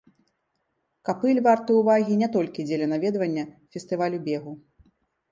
Капыль варты ўвагі не толькі дзеля наведвання фестывалю бегу.